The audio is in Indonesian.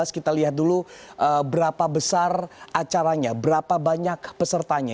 kita lihat dulu berapa besar acaranya berapa banyak pesertanya